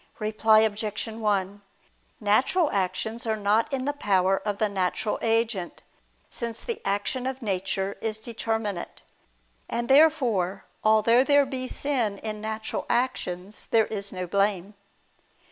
Reply Obj. 1: Natural actions are not in the power of the natural agent: since the action of nature is determinate. And, therefore, although there be sin in natural actions, there is no blame.